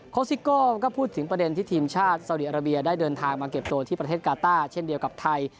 ซิโก้ก็พูดถึงประเด็นที่ทีมชาติสาวดีอาราเบียได้เดินทางมาเก็บตัวที่ประเทศกาต้าเช่นเดียวกับไทย